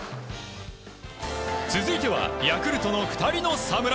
続いてはヤクルトの２人の侍。